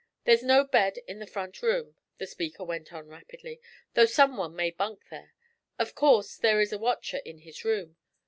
There's no bed in the front room,' the speaker went on rapidly, 'though someone may bunk there. Of course there's a watcher in his room.